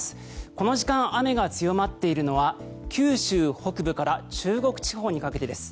この時間、雨が強まっているのは九州北部から中国地方にかけてです。